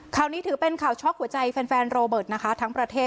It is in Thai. นี้ถือเป็นข่าวช็อกหัวใจแฟนโรเบิร์ตนะคะทั้งประเทศ